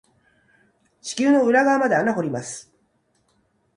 地球の裏側まで穴掘ります。